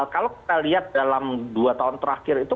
kalau kita lihat dalam dua tahun terakhir itu